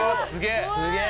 すげえ！